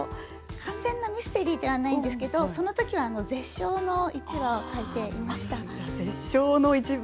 完全なミステリーではなかったんですけどそのときは「絶唱」の一部を書いていました。